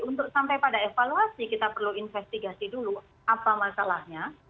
untuk sampai pada evaluasi kita perlu investigasi dulu apa masalahnya